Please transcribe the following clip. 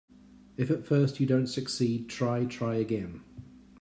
If at first you don't succeed, try, try again.